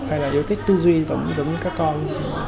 hay là yêu thích tư duy giống như các con